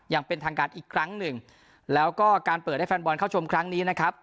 อย่างเป็นทางการอีกครั้งหนึ่งแล้วก็การเปิดให้แฟนบอลเข้าชมครั้งนี้นะครับ